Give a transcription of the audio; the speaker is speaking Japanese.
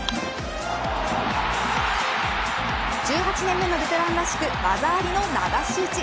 １８年目のベテランらしく技ありの流し打ち。